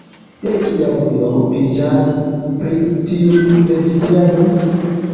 De kiam vi okupiĝas pri tiu reviziado?